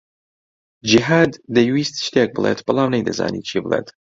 جیھاد دەیویست شتێک بڵێت، بەڵام نەیدەزانی چی بڵێت.